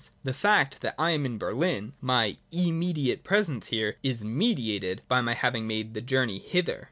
The fact that I am in Berlin, my im mediate presence here, is mediated by my having made the journey hither.